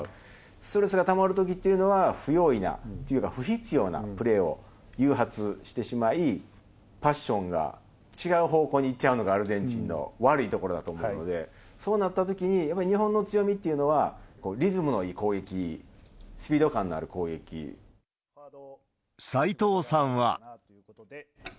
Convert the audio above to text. ストレスがたまるときっていうのは、不用意なというか、不必要なプレーを誘発してしまい、パッションが違う方向に行っちゃうのがアルゼンチンの悪いところだと思うので、そうなったときに、やっぱり日本の強みっていうのは、リズムのいい攻撃、斉藤さんは。